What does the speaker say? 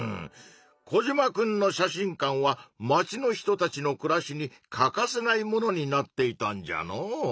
コジマくんの写真館は町の人たちの暮らしに欠かせないものになっていたんじゃのう。